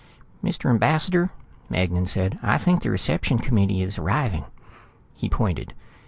"Mr. Ambassador," Magnan said, "I think the reception committee is arriving." He pointed.